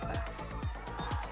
tim liputan cnn indonesia jakarta